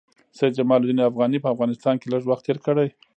سید جمال الدین افغاني په افغانستان کې لږ وخت تېر کړی.